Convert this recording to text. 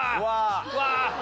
うわ！